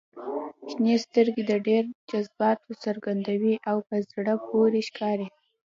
• شنې سترګې د ډېر جذباتو څرګندوي او په زړه پورې ښکاري.